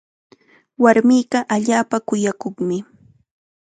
Warminqa allaapa kuyakuqmi.